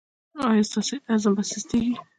ایا ستاسو عزم به سستیږي؟